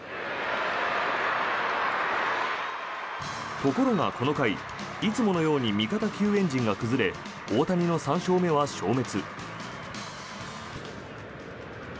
ところがこの回、いつものように味方救援陣が崩れ大谷の３勝目は消滅。